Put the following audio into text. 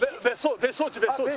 別荘地別荘地。